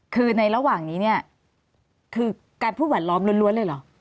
คือในระหว่างนี้เนี่ยคือการพูดแหวนล้อมล้วนเลยเหรอ